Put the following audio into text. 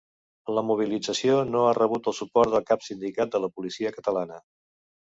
La mobilització no ha rebut el suport de cap sindicat de la policia catalana.